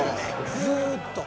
ずっと。